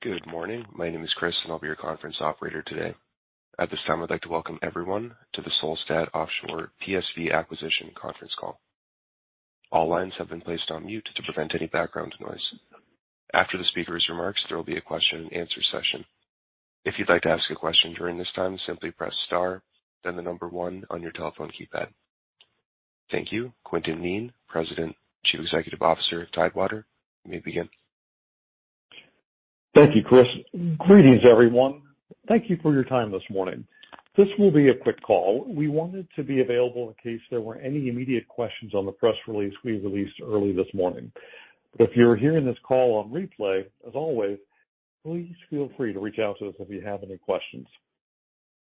Good morning. My name is Chris, and I'll be your conference operator today. At this time, I'd like to welcome everyone to the Solstad Offshore PSV Acquisition conference call. All lines have been placed on mute to prevent any background noise. After the speaker's remarks, there will be a question and answer session. If you'd like to ask a question during this time, simply press star then one on your telephone keypad. Thank you. Quintin Kneen, President, Chief Executive Officer of Tidewater, you may begin. Thank you, Chris. Greetings, everyone. Thank you for your time this morning. This will be a quick call. We wanted to be available in case there were any immediate questions on the press release we released early this morning. If you're hearing this call on replay, as always, please feel free to reach out to us if you have any questions.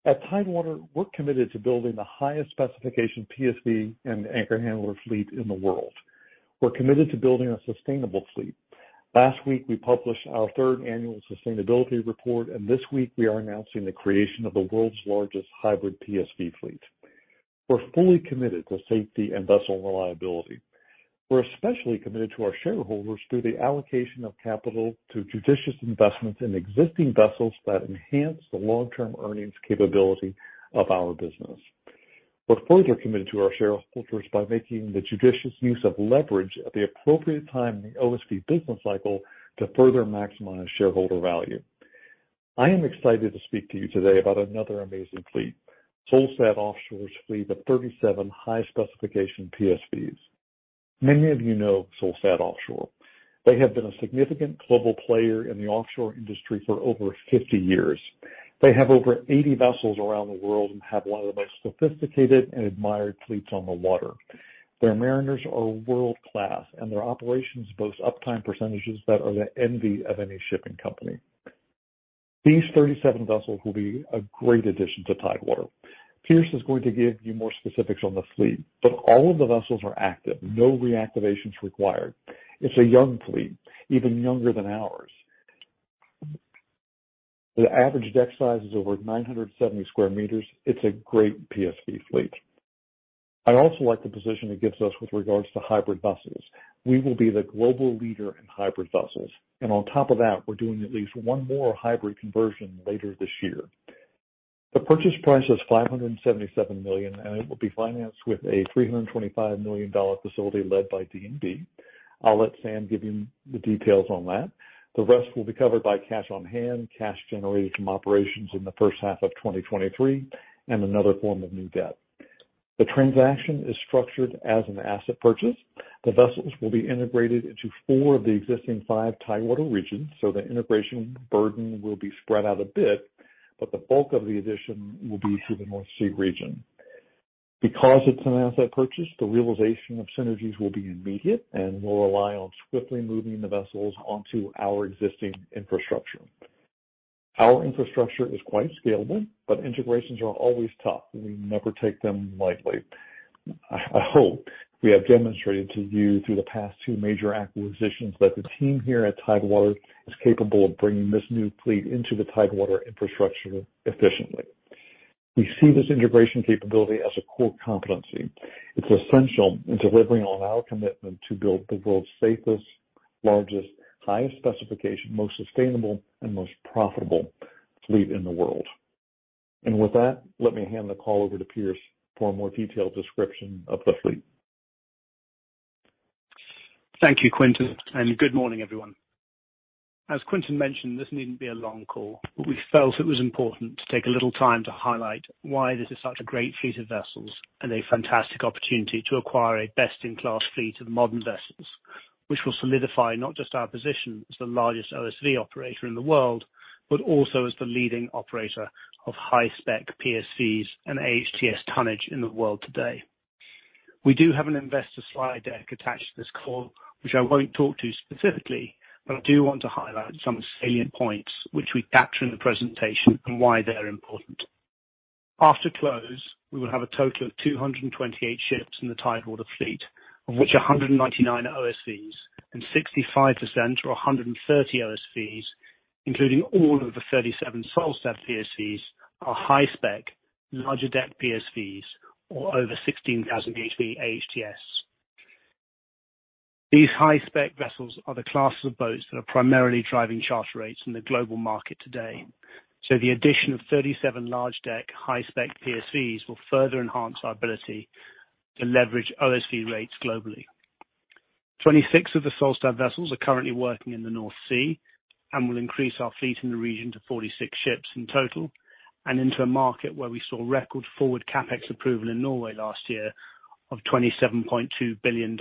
At Tidewater, we're committed to building the highest specification PSV and anchor handler fleet in the world. We're committed to building a sustainable fleet. Last week, we published our third annual sustainability report, and this week we are announcing the creation of the world's largest hybrid PSV fleet. We're fully committed to safety and vessel reliability. We're especially committed to our shareholders through the allocation of capital to judicious investments in existing vessels that enhance the long-term earnings capability of our business. We're further committed to our shareholders by making the judicious use of leverage at the appropriate time in the OSV business cycle to further maximize shareholder value. I am excited to speak to you today about another amazing fleet, Solstad Offshore's fleet of 37 high specification PSVs. Many of you know Solstad Offshore. They have been a significant global player in the offshore industry for over 50 years. They have over 80 vessels around the world and have one of the most sophisticated and admired fleets on the water. Their mariners are world-class, and their operations boast uptime percentages that are the envy of any shipping company. These 37 vessels will be a great addition to Tidewater. Piers is going to give you more specifics on the fleet, but all of the vessels are active. No reactivations required. It's a young fleet, even younger than ours. The average deck size is over 970 square meters. It's a great PSV fleet. I also like the position it gives us with regards to hybrid vessels. We will be the global leader in hybrid vessels, and on top of that, we're doing at least one more hybrid conversion later this year. The purchase price is $577 million, and it will be financed with a $325 million facility led by DNB. I'll let Sam give you the details on that. The rest will be covered by cash on hand, cash generated from operations in the first half of 2023, and another form of new debt. The transaction is structured as an asset purchase. The vessels will be integrated into four of the existing five Tidewater regions. The integration burden will be spread out a bit, but the bulk of the addition will be to the North Sea region. Because it's an asset purchase, the realization of synergies will be immediate and will rely on swiftly moving the vessels onto our existing infrastructure. Our infrastructure is quite scalable. Integrations are always tough. We never take them lightly. I hope we have demonstrated to you through the past two major acquisitions that the team here at Tidewater is capable of bringing this new fleet into the Tidewater infrastructure efficiently. We see this integration capability as a core competency. It's essential in delivering on our commitment to build the world's safest, largest, highest specification, most sustainable and most profitable fleet in the world. With that, let me hand the call over to Piers for a more detailed description of the fleet. Thank you, Quintin. Good morning, everyone. As Quintin mentioned, this needn't be a long call. We felt it was important to take a little time to highlight why this is such a great fleet of vessels and a fantastic opportunity to acquire a best-in-class fleet of modern vessels, which will solidify not just our position as the largest OSV operator in the world, but also as the leading operator of high-spec PSVs and AHTS tonnage in the world today. We do have an investor slide deck attached to this call, which I won't talk to specifically. I do want to highlight some salient points which we capture in the presentation and why they're important. After close, we will have a total of 228 ships in the Tidewater fleet, of which 199 are OSVs and 65% or 130 OSVs, including all of the 37 Solstad PSVs are high-spec, larger-deck PSVs or over 16,000 BHP AHTS. These high-spec vessels are the classes of boats that are primarily driving charter rates in the global market today. The addition of 37 large-deck, high-spec PSVs will further enhance our ability to leverage OSV rates globally. 26 of the Solstad vessels are currently working in the North Sea and will increase our fleet in the region to 46 ships in total and into a market where we saw record forward CapEx approval in Norway last year of $27.2 billion.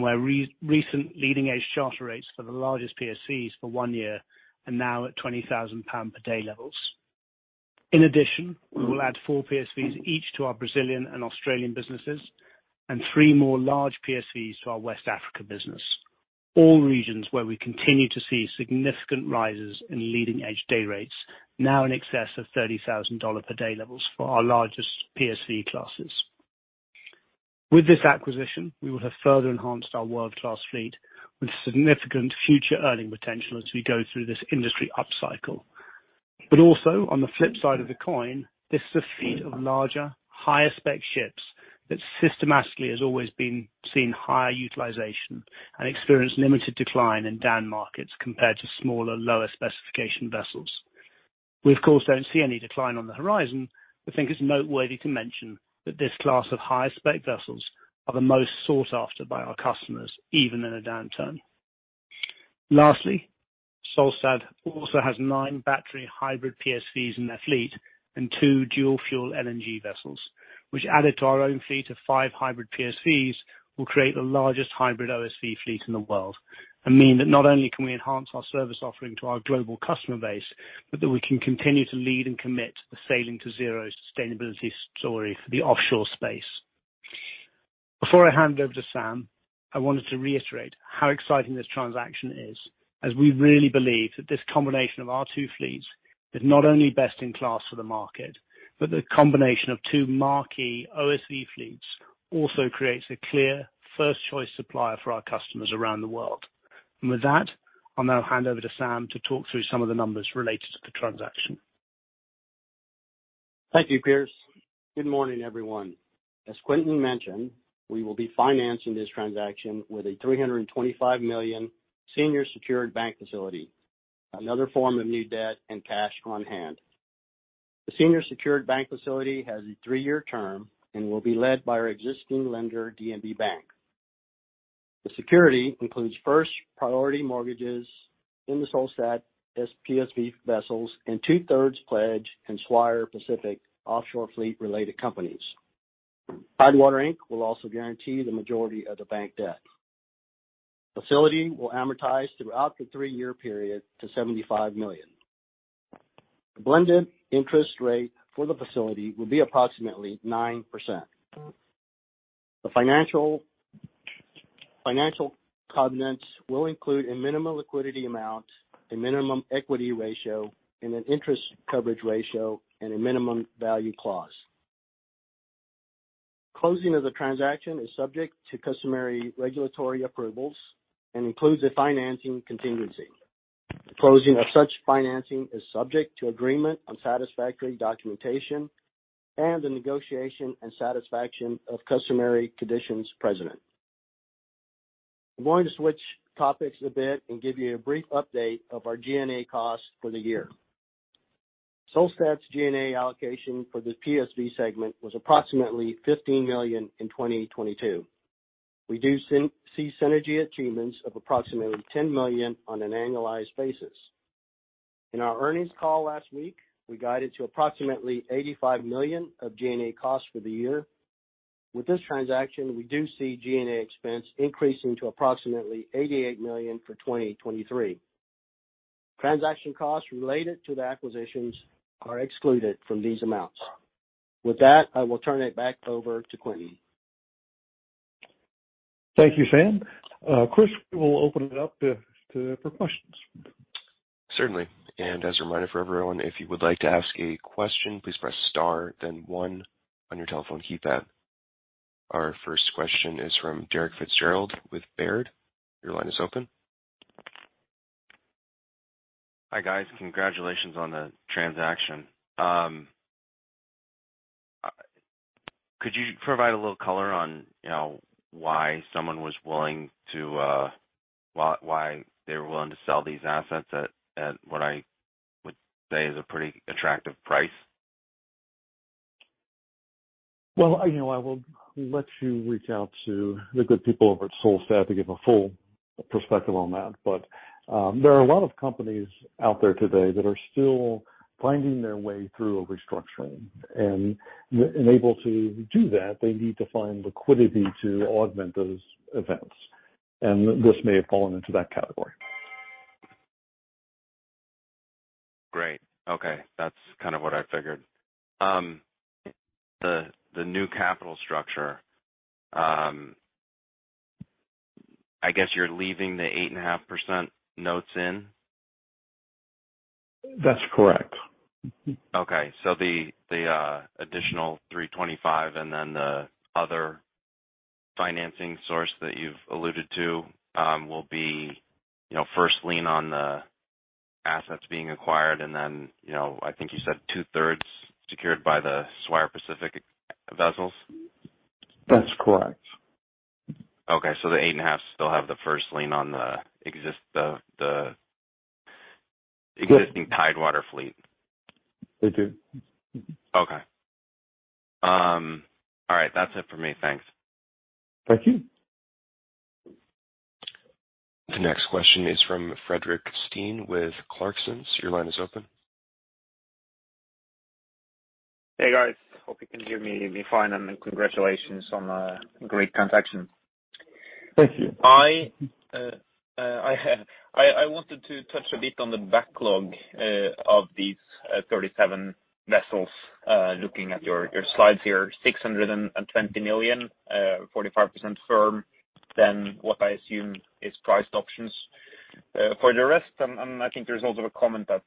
Where recent leading-edge charter rates for the largest PSVs for one year are now at 20,000 pound per day levels. In addition, we will add 4 PSVs each to our Brazilian and Australian businesses and 3 more large PSVs to our West Africa business. All regions where we continue to see significant rises in leading-edge day rates, now in excess of $30,000 per day levels for our largest PSV classes. With this acquisition, we will have further enhanced our world-class fleet with significant future earning potential as we go through this industry upcycle. Also on the flip side of the coin, this is a fleet of larger, higher spec ships that systematically has always been seen higher utilization and experienced limited decline in down markets compared to smaller, lower specification vessels. We, of course, don't see any decline on the horizon, but think it's noteworthy to mention that this class of higher spec vessels are the most sought after by our customers, even in a downturn. Lastly, Solstad also has nine battery hybrid PSVs in their fleet and two dual-fuel LNG vessels, which added to our own fleet of five hybrid PSVs, will create the largest hybrid OSV fleet in the world, and mean that not only can we enhance our service offering to our global customer base, but that we can continue to lead and commit to the Sailing to Zero sustainability story for the offshore space. Before I hand over to Sam, I wanted to reiterate how exciting this transaction is, as we really believe that this combination of our two fleets is not only best in class for the market, but the combination of two marquee OSV fleets also creates a clear first choice supplier for our customers around the world. With that, I'll now hand over to Sam to talk through some of the numbers related to the transaction. Thank you, Piers. Good morning, everyone. As Quintin mentioned, we will be financing this transaction with a $325 million senior secured bank facility, another form of new debt and cash on hand. The senior secured bank facility has a three-year term and will be led by our existing lender, DNB Bank. The security includes first priority mortgages in the Solstad PSV vessels and two-thirds pledge in Swire Pacific Offshore fleet-related companies. Tidewater Inc. will also guarantee the majority of the bank debt. Facility will amortize throughout the 3-year period to $75 million. The blended interest rate for the facility will be approximately 9%. The financial covenants will include a minimum liquidity amount, a minimum equity ratio, an interest coverage ratio, and a minimum value clause. Closing of the transaction is subject to customary regulatory approvals and includes a financing contingency. The closing of such financing is subject to agreement on satisfactory documentation and the negotiation and satisfaction of customary conditions precedent. I'm going to switch topics a bit and give you a brief update of our G&A costs for the year. Solstad's G&A allocation for this PSV segment was approximately $15 million in 2022. We do see synergy achievements of approximately $10 million on an annualized basis. In our earnings call last week, we guided to approximately $85 million of G&A costs for the year. With this transaction, we do see G&A expense increasing to approximately $88 million for 2023. Transaction costs related to the acquisitions are excluded from these amounts. With that, I will turn it back over to Quintin. Thank you, Sam. Chris, we'll open it up for questions. Certainly. As a reminder for everyone, if you would like to ask a question, please press star then one on your telephone keypad. Our first question is from Derek Fitzgerald with Baird. Your line is open. Hi, guys. Congratulations on the transaction. Could you provide a little color on, you know, why someone was willing to, why they were willing to sell these assets at what I would say is a pretty attractive price? Well, you know, I will let you reach out to the good people over at Solstad to give a full perspective on that. There are a lot of companies out there today that are still finding their way through a restructuring. In able to do that, they need to find liquidity to augment those events. This may have fallen into that category. Great. Okay. That's kind of what I figured. The new capital structure, I guess you're leaving the 8.5% notes in? That's correct. Okay. The additional $325 million and then the other financing source that you've alluded to, will be, you know, first lien on the assets being acquired, and then, you know, I think you said two-thirds secured by the Swire Pacific vessels? That's correct. Okay. The 8.5 still have the first lien on the existing Tidewater fleet. They do. All right, that's it for me. Thanks. Thank you. The next question is from Fredrik Steen with Clarksons. Your line is open. Hey, guys. Hope you can hear me fine, and congratulations on a great transaction. Thank you. I wanted to touch a bit on the backlog of these 37 vessels, looking at your slides here, $620 million, 45% firm than what I assume is priced options. For the rest, I think there's also a comment that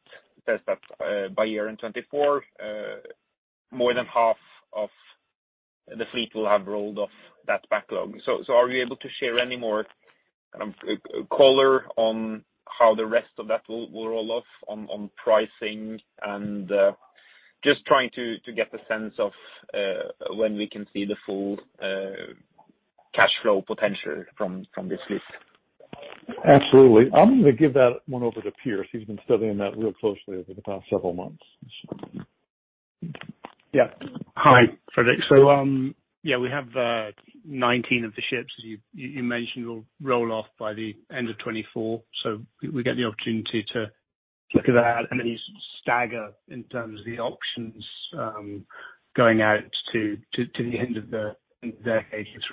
says that by year-end 2024, more than half of the fleet will have rolled off that backlog. Are we able to share any more color on how the rest of that will roll off on pricing and just trying to get the sense of when we can see the full cash flow potential from this list? Absolutely. I'm gonna give that one over to Piers. He's been studying that real closely over the past several months. Hi, Fredrik. We have 19 of the ships, as you mentioned, will roll off by the end of 2024. We get the opportunity to look at that and then you sort of stagger in terms of the options going out to the end of the 18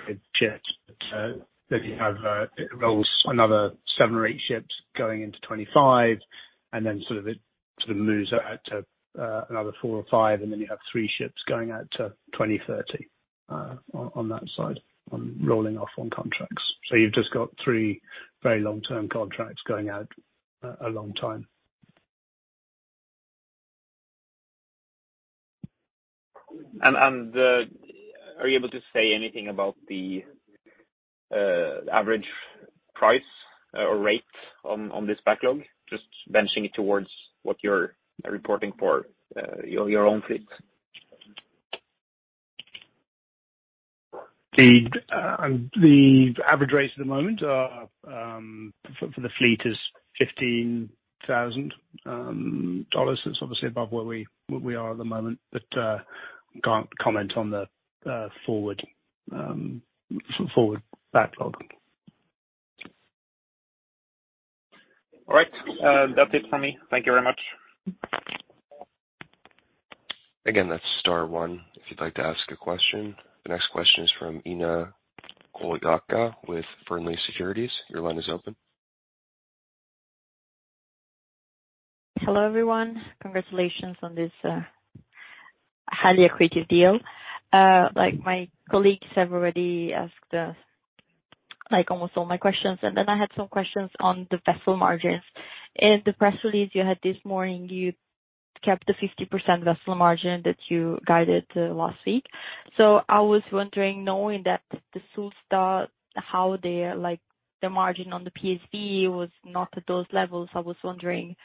through ships. Then you have rolls another seven or eight ships going into 2025, and then it sort of moves out to another four or five, and then you have three ships going out to 2030 on that side, on rolling off on contracts. You've just got three very long-term contracts going out a long time. Are you able to say anything about the average price or rate on this backlog? Just benching it towards what you're reporting for your own fleet. The average rates at the moment are, for the fleet is $15,000. That's obviously above where we are at the moment, but, can't comment on the forward backlog. All right. That's it for me. Thank you very much. Again, that's star one if you'd like to ask a question. The next question is from Ina Golikja with Fearnley Securities. Your line is open. Hello, everyone. Congratulations on this highly accretive deal. Like my colleagues have already asked, like almost all my questions, and then I had some questions on the vessel margins. In the press release you had this morning, you kept the 50% vessel margin that you guided last week. I was wondering, knowing that the Solstad, how their, like, the margin on the PSV was not at those levels. I was wondering,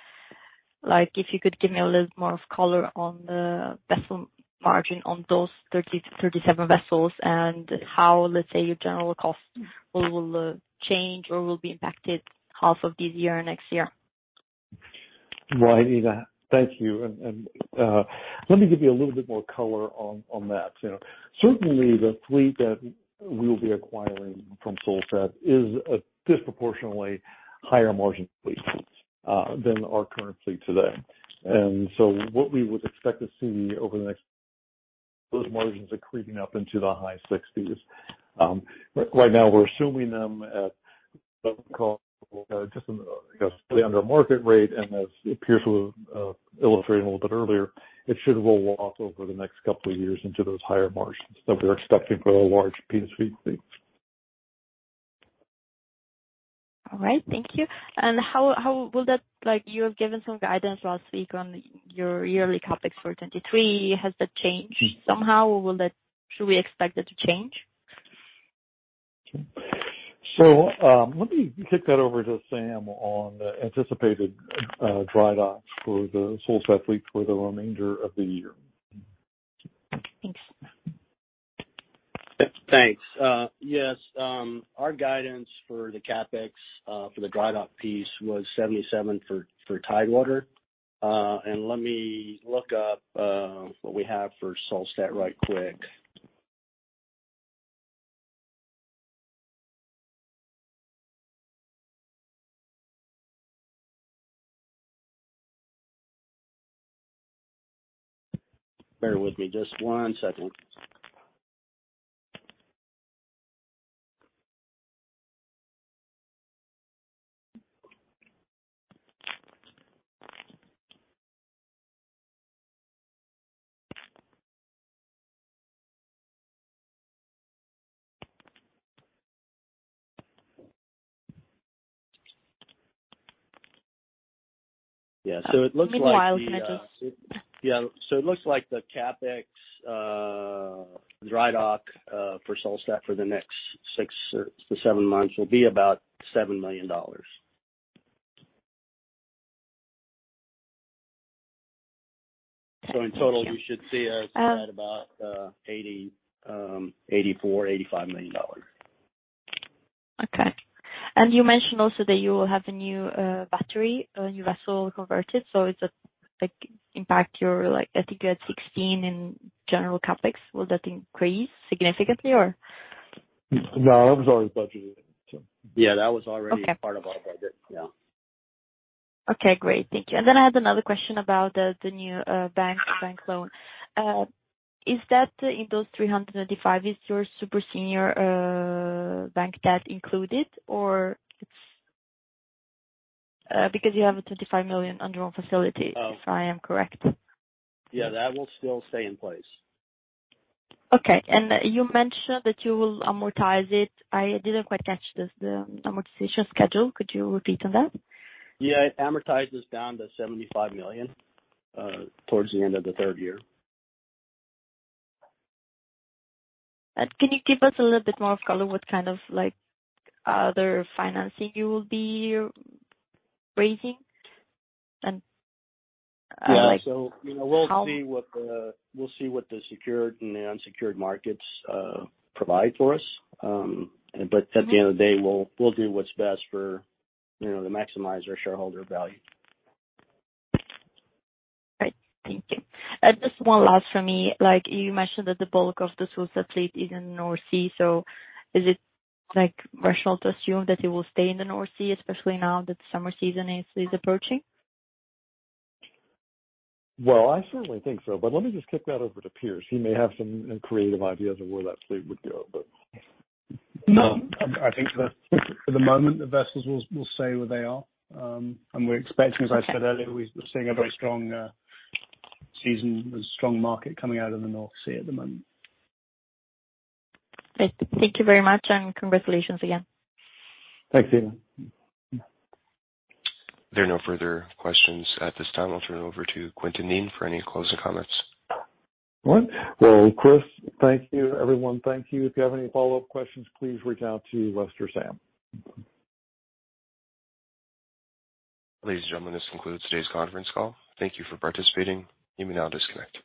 like, if you could give me a little more color on the vessel margin on those 30-37 vessels and how, let's say, your general cost will change or will be impacted half of this year, next year. Right, Ina. Thank you. Let me give you a little bit more color on that. You know, certainly the fleet that we'll be acquiring from Solstad is a disproportionately higher margin fleet than our current fleet today. What we would expect to see over the next those margins are creeping up into the high-60%. Right now, we're assuming them at just, you know, slightly under market rate, and as Piers was illustrating a little bit earlier, it should roll off over the next couple of years into those higher margins that we're expecting for a large PSV fleet. All right, thank you. Like, you have given some guidance last week on your yearly CapEx for 2023. Has that changed somehow, or should we expect it to change? Let me kick that over to Sam on the anticipated dry docks for the Solstad fleet for the remainder of the year. Thanks. Thanks. Yes. Our guidance for the CapEx for the dry dock piece was $77 for Tidewater. Let me look up what we have for Solstad right quick. Bear with me just one second. Yeah. It looks like the Meanwhile, can I? Yeah. It looks like the CapEx dry dock for Solstad for the next six to seven months will be about $7 million. Thank you. You should see us at about $84 million to $85 million. Okay. You mentioned also that you will have a new battery, a new vessel converted. Is that, like, impact your? I think you had 16 in general CapEx. Will that increase significantly or? No, that was already budgeted. Yeah, that was already. Okay. Part of our budget. Yeah. Okay, great. Thank you. Then I had another question about the new bank loan. Is that in those 395, is your super senior bank debt included? Because you have a $25 million undrawn facility. If I am correct. Yeah, that will still stay in place. Okay. You mentioned that you will amortize it. I didn't quite catch this, the amortization schedule. Could you repeat on that? Yeah. It amortizes down to $75 million towards the end of the third year. Can you give us a little bit more color, what kind of, like, other financing you will be raising and, like how-? Yeah. You know, we'll see what the secured and the unsecured markets provide for us. At the end of the day, we'll do what's best for, you know, to maximize our shareholder value. Thank you. Just one last from me. Like you mentioned that the bulk of the Solstad fleet is in the North Sea. Is it, like, rational to assume that it will stay in the North Sea, especially now that the summer season is approaching? Well, I certainly think so. Let me just kick that over to Piers. He may have some creative ideas of where that fleet would go. No. I think for the moment, the vessels will stay where they are. We're expecting, as I said earlier. Okay. We're seeing a very strong season, a strong market coming out of the North Sea at the moment. Great. Thank you very much, and congratulations again. Thanks, Ina. If there are no further questions at this time, I'll turn it over to Quintin Kneen for any closing comments. All right. Well, Chris, thank you. Everyone, thank you. If you have any follow-up questions, please reach out to Piers or Sam. Ladies and gentlemen, this concludes today's conference call. Thank you for participating. You may now disconnect.